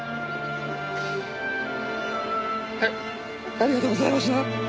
あありがとうございました！